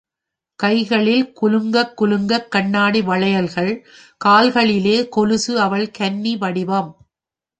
கைகளில் குலுங்கக் குலுங்கக் கண்ணாடி வளையல்கள், கால்களிலே கொலுசு அவள் கன்னி வடிவம்!